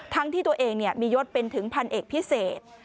ที่ตัวเองมียศเป็นถึงพันเอกพิเศษ